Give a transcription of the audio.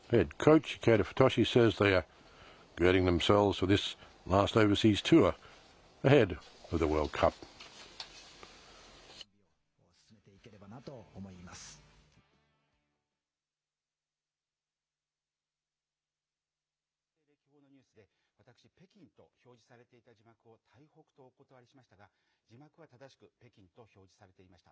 台湾の蔡英文総統の中米歴訪のニュースで、私、北京と表示されていた字幕を台北とおことわりしましたが、字幕は正しく、北京と表示されていました。